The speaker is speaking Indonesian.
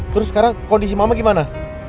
terus sekarang kondisi mama gimana